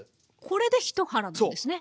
これで１腹なんですね。